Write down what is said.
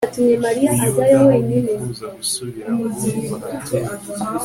buyuda aho bifuza gusubira ngo bahature